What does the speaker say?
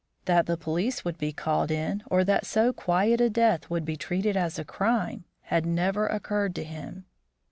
That the police would be called in or that so quiet a death would be treated as a crime, had never occurred to him.